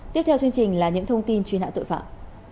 tiếp theo chương trình là những thông tin truy nã tội phạm